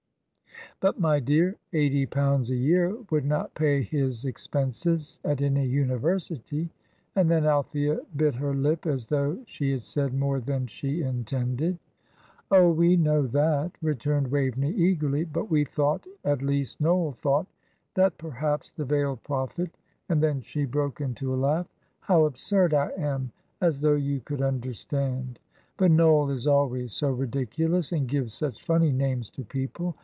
"But, my dear, eighty pounds a year would not pay his expenses at any university." And then Althea bit her lip as though she had said more than she intended. "Oh, we know that," returned Waveney, eagerly, "but we thought at least, Noel thought that perhaps the veiled Prophet " And then she broke into a laugh. "How absurd I am! As though you could understand! But Noel is always so ridiculous, and gives such funny names to people!